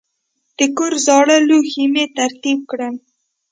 د کور زاړه لوښي مې ترتیب کړل.